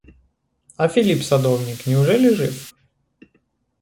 А Филипп садовник, неужели жив?